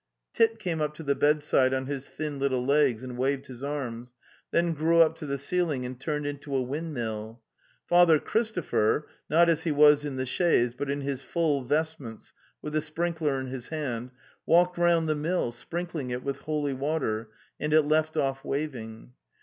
Tit came up to the bedside on his thin little legs and waved his arms, then grew up to the ceiling and turned into a windmill. ... Father Christopher, not as he was in the chaise, but in his full vestments with the sprinkler in his hand, walked round the mill, sprinkling it with holy water, and it left off waving.